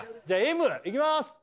ＭＭじゃあＭいきます